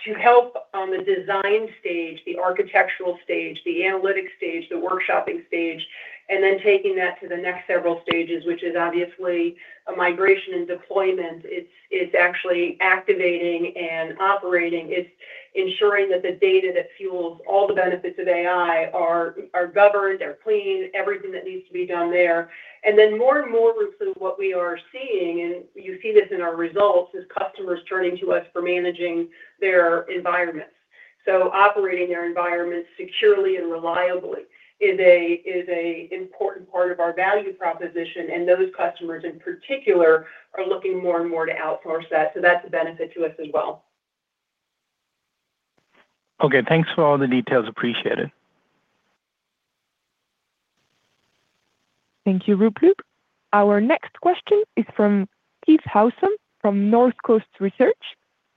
to help on the design stage, the architectural stage, the analytics stage, the workshopping stage, and then taking that to the next several stages, which is obviously a migration and deployment. It's actually activating and operating. It's ensuring that the data that fuels all the benefits of AI are governed, they're clean, everything that needs to be done there. And then more and more, Ruplu, what we are seeing, and you see this in our results, is customers turning to us for managing their environments. So operating their environments securely and reliably is an important part of our value proposition, and those customers, in particular, are looking more and more to outsource that. So that's a benefit to us as well. Okay, thanks for all the details. Appreciate it. Thank you, Ruplu. Our next question is from Keith Housum from Northcoast Research.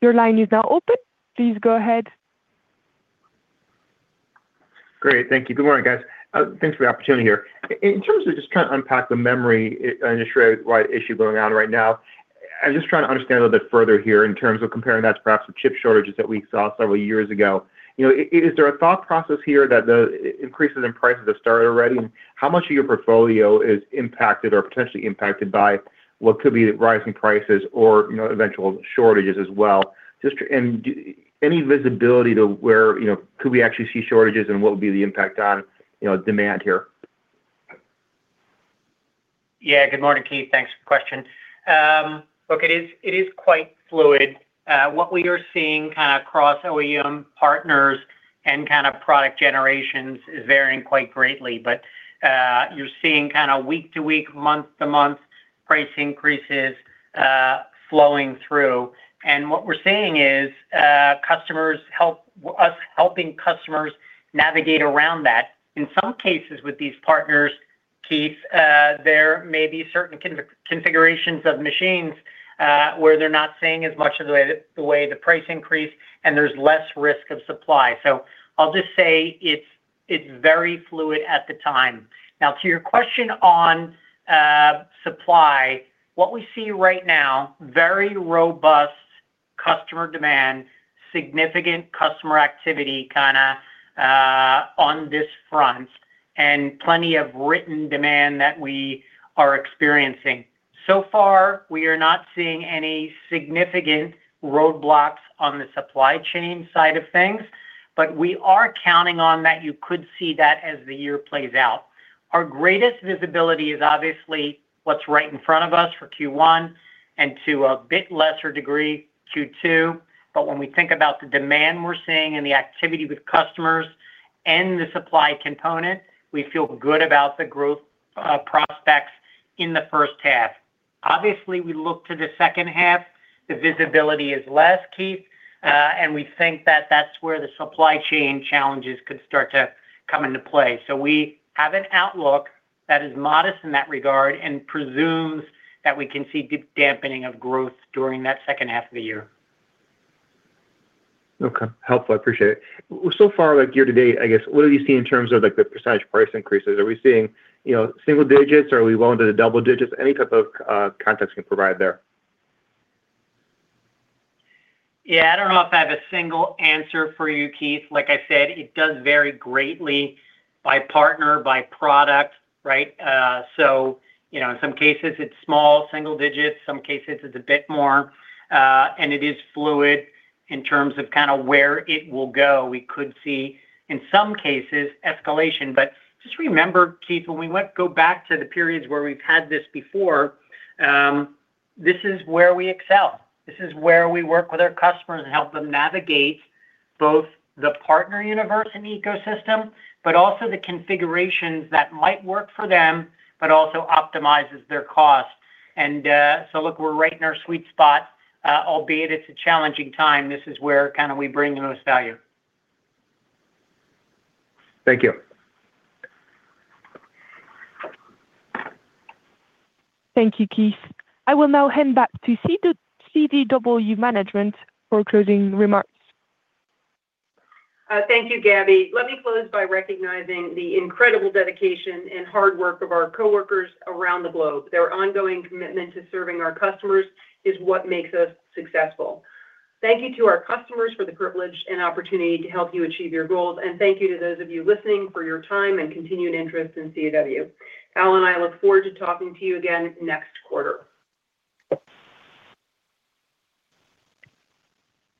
Your line is now open. Please go ahead. Great. Thank you. Good morning, guys. Thanks for the opportunity here. In terms of just trying to unpack the memory industry-wide issue going on right now, I'm just trying to understand a little bit further here in terms of comparing that to perhaps the chip shortages that we saw several years ago. You know, is there a thought process here that the increases in prices have started already? How much of your portfolio is impacted or potentially impacted by what could be rising prices or, you know, eventual shortages as well? Just any visibility to where, you know, could we actually see shortages, and what would be the impact on, you know, demand here? Yeah. Good morning, Keith. Thanks for the question. Look, it is quite fluid. What we are seeing kind of across OEM partners and kind of product generations is varying quite greatly. But you're seeing kind of week-to-week, month-to-month price increases flowing through. And what we're seeing is customers, us helping customers navigate around that. In some cases with these partners, Keith, there may be certain configurations of machines where they're not seeing as much of the way the price increase, and there's less risk of supply. So I'll just say it's very fluid at the time. Now, to your question on supply, what we see right now, very robust customer demand, significant customer activity kinda on this front, and plenty of written demand that we are experiencing. So far, we are not seeing any significant roadblocks on the supply chain side of things, but we are counting on that you could see that as the year plays out. Our greatest visibility is obviously what's right in front of us for Q1 and to a bit lesser degree, Q2. But when we think about the demand we're seeing and the activity with customers and the supply component, we feel good about the growth prospects in the first half. Obviously, we look to the second half, the visibility is less, Keith, and we think that that's where the supply chain challenges could start to come into play. So we have an outlook that is modest in that regard and presumes that we can see good dampening of growth during that second half of the year. Okay. Helpful, I appreciate it. So far, like year to date, I guess, what are you seeing in terms of, like, the percentage price increases? Are we seeing, you know, single digits, or are we well into the double digits? Any type of context you can provide there? Yeah, I don't know if I have a single answer for you, Keith. Like I said, it does vary greatly by partner, by product, right? So, you know, in some cases it's small, single digits, some cases it's a bit more, and it is fluid in terms of kind of where it will go. We could see, in some cases, escalation. But just remember, Keith, when we go back to the periods where we've had this before, this is where we excel. This is where we work with our customers and help them navigate both the partner universe and ecosystem, but also the configurations that might work for them, but also optimizes their costs. And, so look, we're right in our sweet spot, albeit it's a challenging time. This is where kind of we bring the most value. Thank you. Thank you, Keith. I will now hand back to CDW management for closing remarks. Thank you, Gabby. Let me close by recognizing the incredible dedication and hard work of our coworkers around the globe. Their ongoing commitment to serving our customers is what makes us successful. Thank you to our customers for the privilege and opportunity to help you achieve your goals, and thank you to those of you listening for your time and continued interest in CDW. Al and I look forward to talking to you again next quarter.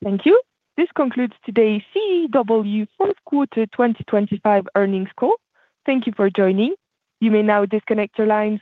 Thank you. This concludes today's CDW fourth quarter 2025 earnings call. Thank you for joining. You may now disconnect your lines.